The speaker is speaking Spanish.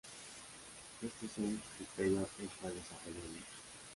Este es un criterio el cual desarrolló el Lic.